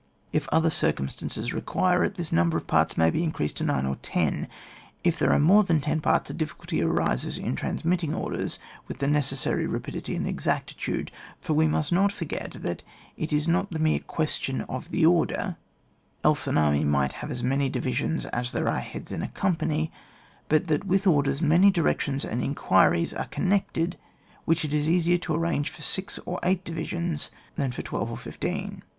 If other cir cumstances require it, this number of parts may be increased to nine or ten. If there are more than ten parts, a diffi culty arises in transmitting orders with the necessary rapidity and exactitude, for we must not forget, that it is not the mere question of the order, else an army might have as many divisions as there are heads in a company, but that with orders, many directions and inquiries are connected which it is easier to arrange for six or eight divisions than for twelve or fifteen.